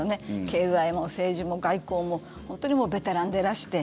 経済も政治も外交も本当にベテランでいらして。